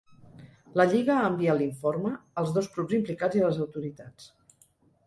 La lliga ha enviat l’informe als dos clubs implicats i a les autoritats.